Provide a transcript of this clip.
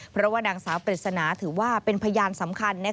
เพราะว่านางสาวปริศนาถือว่าเป็นพยานสำคัญ